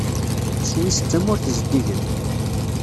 Swiss d tamurt zeddigen.